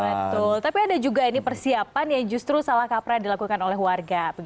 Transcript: betul tapi ada juga ini persiapan yang justru salah kaprah dilakukan oleh warga